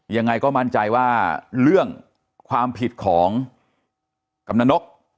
ยังไงก็มั่นใจว่าเรื่องความผิดของกำนันนก